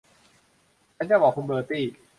ฉันจะบอกคุณเบอร์ตี้